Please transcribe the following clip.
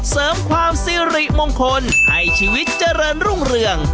เสริมความสิริมงคลให้ชีวิตเจริญรุ่งเรือง